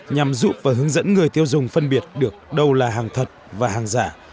nhằm giúp và hướng dẫn người tiêu dùng phân biệt được đâu là hàng thật và hàng giả